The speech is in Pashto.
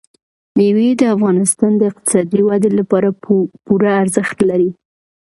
مېوې د افغانستان د اقتصادي ودې لپاره پوره ارزښت لري.